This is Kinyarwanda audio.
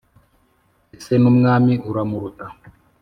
ese n' umwami uramuruta